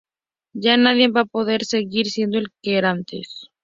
Ya nadie va a poder seguir siendo el que era antes.